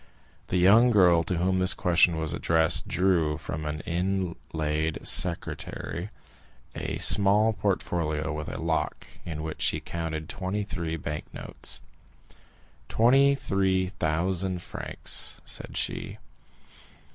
The young girl to whom this question was addressed drew from an inlaid secretaire a small portfolio with a lock, in which she counted twenty three bank notes. "Twenty three thousand francs," said she.